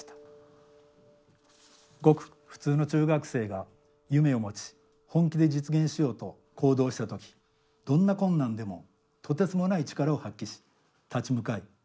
ごく普通の中学生が夢を持ち本気で実現しようと行動した時どんな困難でもとてつもない力を発揮し立ち向かい努力し成長し続ける。